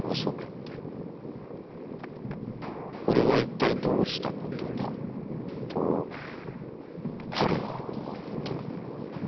『これはいったいどうしたことだ』と、彼は思った。